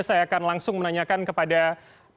saya akan langsung menanyakan kepada pak budi ari